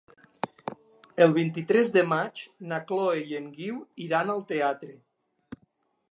El vint-i-tres de maig na Chloé i en Guiu iran al teatre.